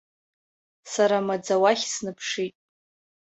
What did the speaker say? Сара маӡа уахь снаԥшит.